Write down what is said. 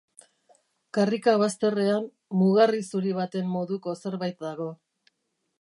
Karrika bazterrean, mugarri zuri baten moduko zerbait dago.